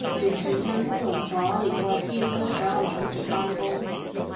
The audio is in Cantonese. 完全暢通無阻，連個天都想我準時返工